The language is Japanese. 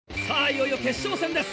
いよいよ決勝戦です